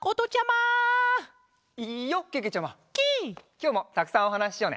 きょうもたくさんおはなししようね。